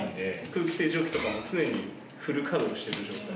空気清浄機とかも常にフル稼働してる状態。